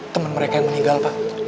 teman mereka yang meninggal pak